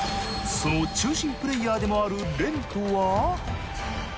その中心プレイヤーでもあるＲＥＮＴＯは。